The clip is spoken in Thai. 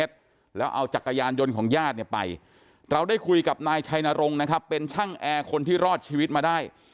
เราได้คุยกับนายชัยนรงค์นะครับเป็นช่างแอคนที่รอดชีวิตมาได้